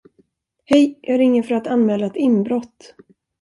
Hej, jag ringer för att anmäla ett inbrott.